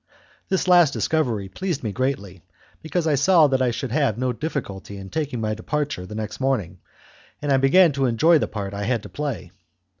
This last discovery pleased me greatly, because I saw that I should have no difficulty in taking my departure the next morning, and I began to enjoy the part I had to play.